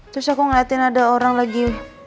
terus aku ngeliatin ada orang lagi